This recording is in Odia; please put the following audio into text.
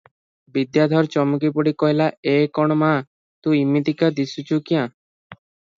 ବିଦ୍ୟାଧର ଚମକି ପଡ଼ି କହିଲା "ଏ କଣ ମା! ତୁ ଇମିତିକା ଦିଶୁଛୁ କ୍ୟାଁ?